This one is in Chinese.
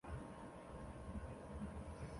曾任职于台北县工务局工程队。